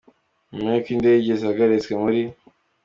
Nyuma y’uko indege zihagaritswe muri